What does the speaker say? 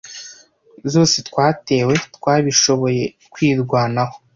zose twatewe, twabishoboye kwirwanaho